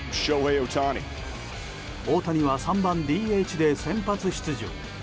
大谷は３番ＤＨで先発出場。